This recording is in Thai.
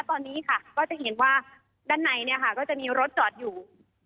ตอนนี้ค่ะก็จะเห็นว่าด้านในเนี่ยค่ะก็จะมีรถจอดอยู่